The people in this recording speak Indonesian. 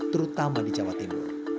terutama di jawa timur